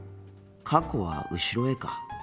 過去は後ろへか。